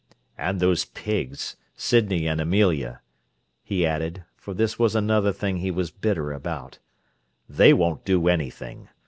"And those pigs, Sydney and Amelia!" he added, for this was another thing he was bitter about. "They won't do anything.